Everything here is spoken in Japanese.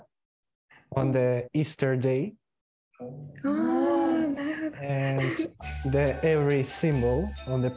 ああなるほど。